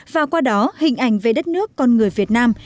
và qua đó hình ảnh về đất nước con người việt nam